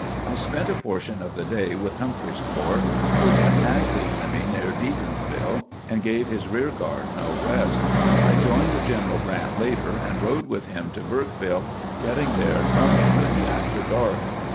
I spent a portion of the day with Humphreys's corps, which attacked the enemy near Deatonsville and gave his rear guard no rest. I joined General Grant later, and rode with him 'to Burkeville, getting there some time after dark.